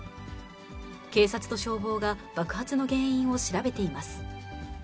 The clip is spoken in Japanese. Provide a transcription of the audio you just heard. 警察と消防が爆発の原因を調べています。